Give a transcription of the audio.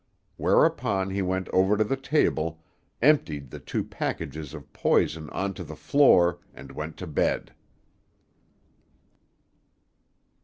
Whereupon he went over to the table, emptied the two packages of poison on to the floor, and went to bed.